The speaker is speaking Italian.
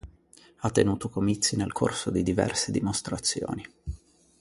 Ha tenuto comizi nel corso di diverse dimostrazioni.